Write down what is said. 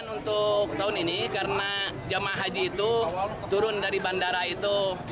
untuk tahun ini karena jemaah haji itu turun dari bandara itu